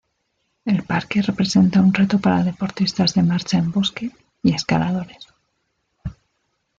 El parque representa un reto para deportistas de marcha en bosque y escaladores.